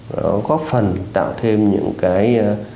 nó góp phần tạo thêm những cái